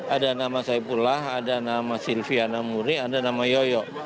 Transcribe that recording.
ada nama saipullah ada nama silviana muri ada nama yoyo